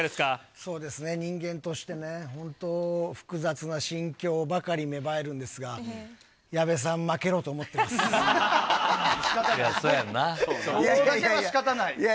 そうですね、人間としてね、本当、複雑な心境ばかり芽生えるんですが、矢部さん負けろと思っしかたない。